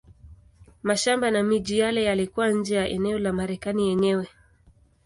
Mashamba na miji yale yalikuwa nje ya eneo la Marekani yenyewe.